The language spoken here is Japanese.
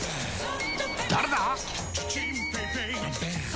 誰だ！